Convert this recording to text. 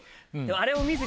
あれを。